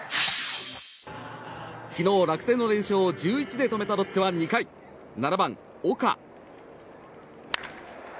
昨日、楽天の連勝を１１で止めたロッテは２回７番、岡。